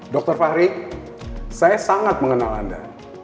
dr fahri saya sangat mengenal anda